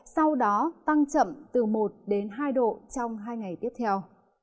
sau đó tăng chậm từ một đến hai độ trong hai ngày tiếp theo